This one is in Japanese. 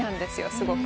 すごく。